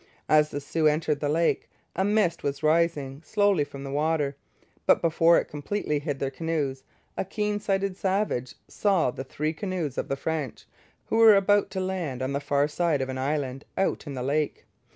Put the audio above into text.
As the Sioux entered the lake, a mist was rising slowly from the water; but before it completely hid their canoes a keen sighted savage saw the three canoes of the French, who were about to land on the far side of an island out in the lake.